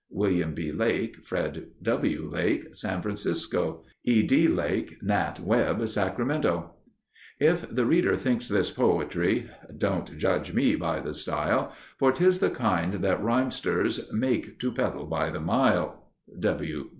Wm. B. Lake Fred W. Lake San Francisco E. D. Lake Nat Webb Sacramento If the reader thinks this poetry—don't judge me by the style, For 'tis the kind that rhymsters make to peddle by the mile.